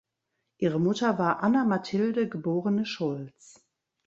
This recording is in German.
Ihre Mutter war Anna Mathilde geborene Schulz.